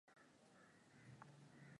Masiku hayo mengi